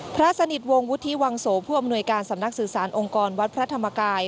พระสนิทวงศวุฒิวังโสผู้อำนวยการสำนักสื่อสารองค์กรวัดพระธรรมกาย